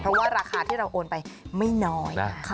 เพราะว่าราคาที่เราโอนไปไม่น้อย